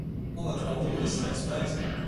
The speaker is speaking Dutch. Al het andere is slechts bijzaak.